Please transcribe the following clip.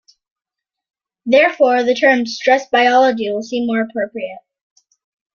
Therefore, the term "Stress Biology" would seem more appropriate.